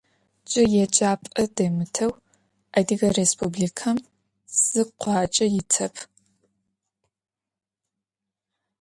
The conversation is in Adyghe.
Cı yêcap'e demıteu Adıge Rêspublikem zı khuace yitep.